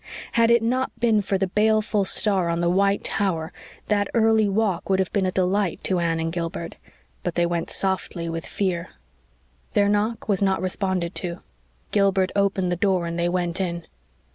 Had it not been for the baleful star on the white tower that early walk would have been a delight to Anne and Gilbert. But they went softly with fear. Their knock was not responded to. Gilbert opened the door and they went in.